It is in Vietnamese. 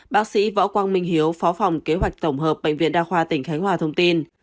bác sĩ võ quang minh hiếu phó phòng kế hoạch tổng hợp bệnh viện đa khoa tỉnh khánh hòa thông tin